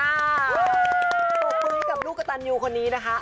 สวัสดีกับลูกตันอยู่คนนี้นะคะ